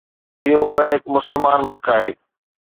اهو پڻ هڪ مسلمان ملڪ آهي.